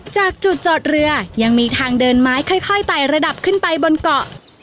จากจุดจอดเรือยังมีทางเดินไม้ค่อยไต่ระดับขึ้นไปบนเกาะ